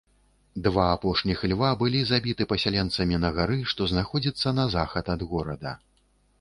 Два апошніх льва былі забіты пасяленцамі на гары, што знаходзіцца на захад ад горада.